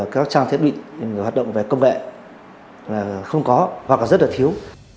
các trang thiết bị hoạt động về công vệ không có hoặc rất là thiếu